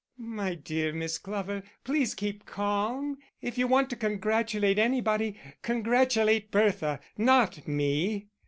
"My dear Miss Glover, please keep calm. And if you want to congratulate anybody, congratulate Bertha not me."